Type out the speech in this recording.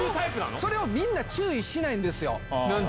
それをみんな注意しないんでなんで？